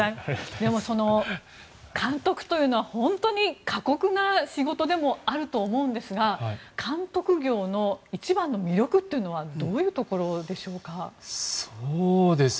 でも、監督というのは本当に過酷な仕事でもあると思うんですが監督業の一番の魅力っていうのはどういうところでしょうか。